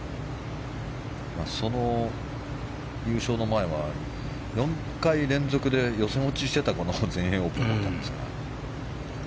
その優勝の前は４回連続で予選落ちしてた全英オープンだったんですが。